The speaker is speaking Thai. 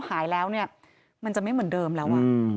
หายแล้วเนี่ยมันจะไม่เหมือนเดิมแล้ว